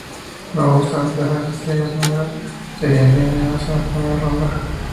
No obstante, las "Estrellas Negras" serían eliminadas en la primera ronda.